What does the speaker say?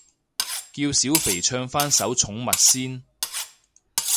叫小肥唱返首寵物先